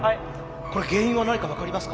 これ原因は何か分かりますか？